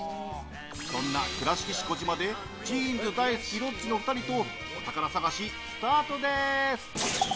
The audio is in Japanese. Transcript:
そんな倉敷市児島でジーンズ大好きロッチの２人とお宝探しスタートです！